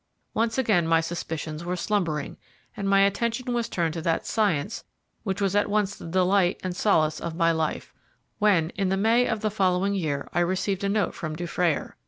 Once again my suspicions were slumbering, and my attention was turned to that science which was at once the delight and solace of my life, when, in the May of the following year, I received a note from Dufrayer.